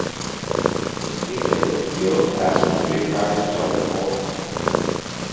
"Es pietiekoši ilgi esmu "iekrājis" savu porciju."